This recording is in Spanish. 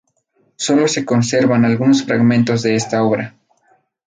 Sólo se conservan algunos fragmentos de esta obra.